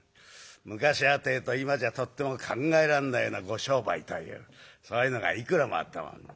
昔はってえと今じゃとっても考えらんないようなご商売というそういうのがいくらもあったもんで。